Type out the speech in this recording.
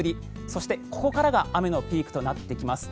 そして、ここからが雨のピークとなってきます。